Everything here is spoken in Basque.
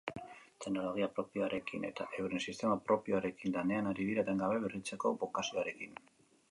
Teknologia propioarekin eta euren sistema propioarekin lanean ari dira etengabe berritzeko bokazioarekin.